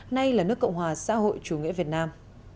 nay là nước cộng hòa xã hội chủ nghĩa việt nam